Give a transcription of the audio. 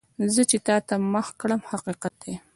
زه چې تا ته مخ کړم، حقیقت دی.